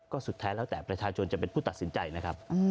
ก็สุดแท้แล้วแต่ประชาชนจะเป็นผู้ตัดสินใจนะครับ